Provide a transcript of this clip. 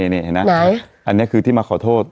นี่อันนี้คือที่มาขอโทษ